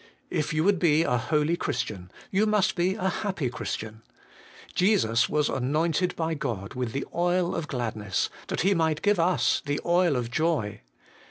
If you would be a holy Christian, you must be a happy Christian. Jesus was anointed by God with ' the oil of gladness,' that He might give us ' the oil of joy.'